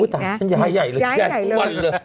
ฉันย้ายใหญ่เลยย้ายทุกวันเลย